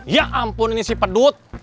ya ampun ini si pedut